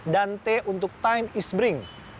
dan t untuk time is bring